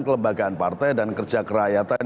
kelembagaan partai dan kerja kerakyatan